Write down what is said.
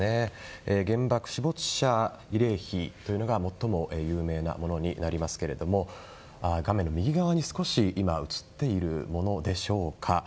原爆死没者慰霊碑というのが最も有名なものになりますけど画面右側に少し今、映っているものでしょうか。